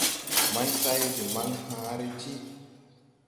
Maysay de maŋ hããre ti.